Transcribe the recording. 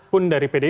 pun dari pdi